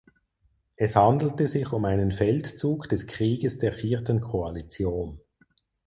Es handelte sich um einen Feldzug des Krieges der Vierten Koalition.